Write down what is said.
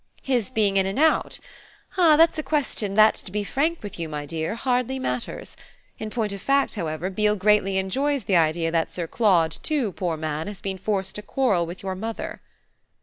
"His being in and out? Ah that's a question that, to be frank with you, my dear, hardly matters. In point of fact, however, Beale greatly enjoys the idea that Sir Claude too, poor man, has been forced to quarrel with your mother."